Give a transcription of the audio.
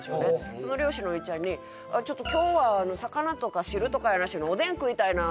その漁師のおいちゃんに「ちょっと今日は魚とか汁とかやなしにおでん食いたいなー」って言ったら。